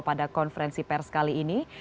pada konferensi pers kali ini